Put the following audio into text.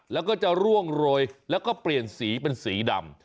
แล้วก็จะร่วงโรยแล้วก็เปลี่ยนสีเป็นสีดำ